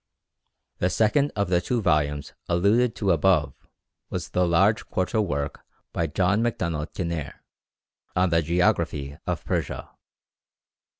The second of the two volumes alluded to above was the large quarto work by John Macdonald Kinneir, on the geography of Persia.